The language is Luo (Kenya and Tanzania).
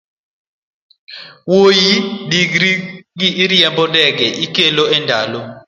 wuoyi digri mar riembo ndege ikelo e ndalo?